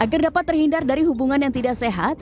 agar dapat terhindar dari hubungan yang tidak sehat